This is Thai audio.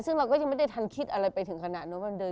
ซึ่งเราก็ยังไม่ได้ทันคิดอะไรไปถึงขนาดนู้น